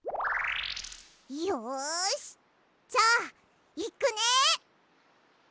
よしじゃあいくね。